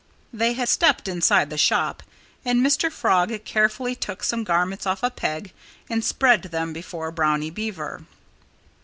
They had stepped inside the shop. And Mr. Frog carefully took some garments off a peg and spread them before Brownie Beaver.